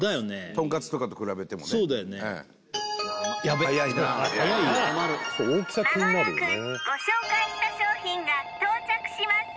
トンカツとかと比べてもねはやいな困る間もなくご紹介した商品が到着します